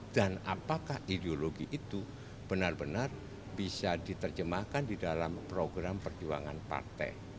dan apakah ideologi itu benar benar bisa diterjemahkan di dalam program perjuangan partai